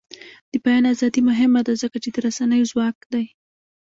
د بیان ازادي مهمه ده ځکه چې د رسنیو ځواک دی.